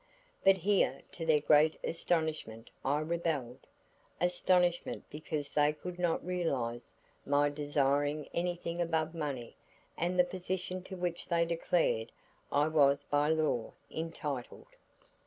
But here to their great astonishment I rebelled; astonishment because they could not realize my desiring anything above money and the position to which they declared I was by law entitled.